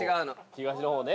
東の方をね。